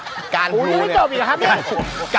อูยเราก็ไม่จบหรือครับ